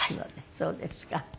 そうですか。